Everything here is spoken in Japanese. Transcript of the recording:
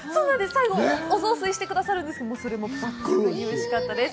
最後、お雑炊にしてくださるんです。